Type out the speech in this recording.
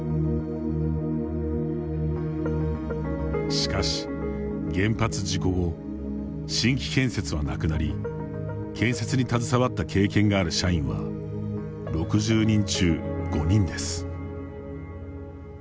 しかし、原発事故後新規建設はなくなり建設に携わった経験がある社員は６０人中５人です。